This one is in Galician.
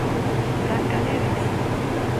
_Brancaneves!